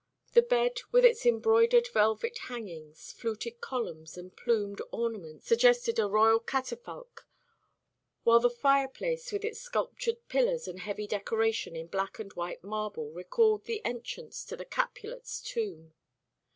The bed, with its embroidered velvet hangings, fluted columns, and plumed ornaments, suggested a royal catafalque: while the fireplace, with its sculptured pillars and heavy decoration in black and white marble, recalled the entrance to the Capulets' tomb.